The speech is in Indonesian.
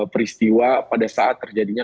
peristiwa pada saat terjadinya